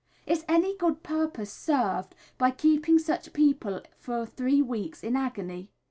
Is any good purpose served by keeping such people for three weeks in agony?